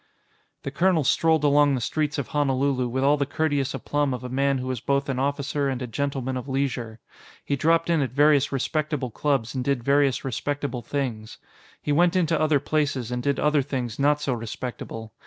The colonel strolled along the streets of Honolulu with all the courteous aplomb of a man who was both an officer and a gentleman of leisure. He dropped in at various respectable clubs and did various respectable things. He went into other places and did other things not so respectable.